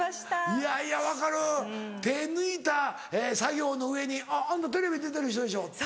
いやいや分かる手抜いた作業の上に「あんたテレビ出てる人でしょ」って。